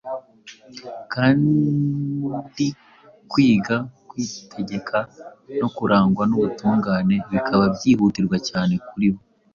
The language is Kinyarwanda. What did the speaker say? kandi kwiga kwitegeka no kurangwa n’ubutungane bikaba byihutirwa cyane kuri bo,